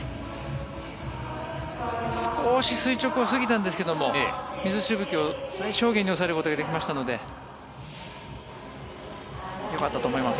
少し垂直を過ぎたんですが水しぶきを最小限に抑えることができましたのでよかったと思います。